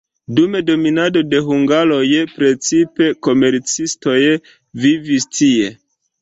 Dum dominado de hungaroj precipe komercistoj vivis tie.